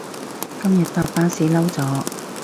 今日搭巴士嬲咗